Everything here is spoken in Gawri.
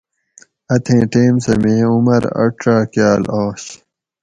اتھیں ٹیم سہ میں عمر اڄاۤکاۤل آش